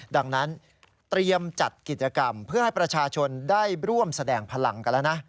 ดังนั้นเตรียมจัดกิจกรรมเพื่อให้ประชาชนได้ร่วมแสดงพลังกันแล้วนะ